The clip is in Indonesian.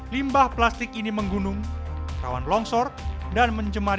limbah plastik ini menggunung rawan longsor dan menyebabkan kematian